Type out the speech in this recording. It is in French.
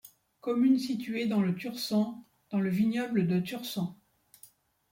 Commune située dans le Tursan dans le vignoble de Tursan.